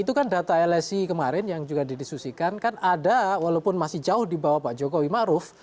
itu kan data lsi kemarin yang juga didiskusikan kan ada walaupun masih jauh di bawah pak jokowi maruf